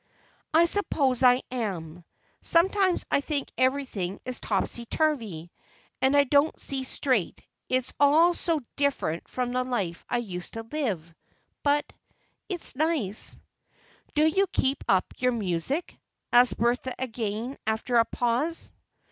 "I suppose I am. Sometimes I think everything is topsy turvy, and I don't see straight; it's all so different from the life I used to live, but—it's nice." "Do you keep up your music?" asked Bertha again, after a pause.